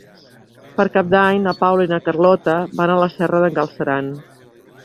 Per Cap d'Any na Paula i na Carlota van a la Serra d'en Galceran.